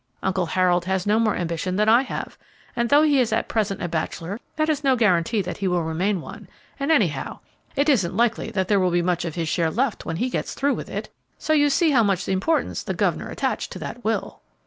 Uncle Harold has no more ambition than I have, and though he is at present a bachelor, that is no guarantee that he will remain one; and, anyhow, it isn't likely that there will be much of his share left when he gets through with it. So you see how much importance the governor attached to that will."